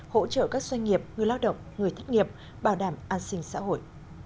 hỗ trợ các doanh nghiệp người lao động người thất nghiệp bảo đảm an sinh xã hội